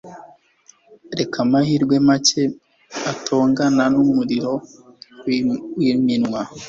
Reka amahirwe make atongana numuriro wiminwa